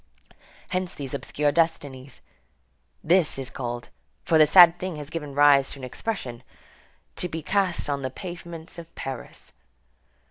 Hence these obscure destinies. This is called, for this sad thing has given rise to an expression, "to be cast on the pavements of Paris."